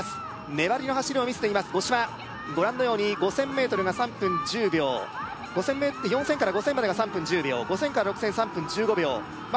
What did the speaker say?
粘りの走りを見せています五島ご覧のように５０００ｍが３分１０秒４０００から５０００までが３分１０秒５０００から６０００３分１５秒まあ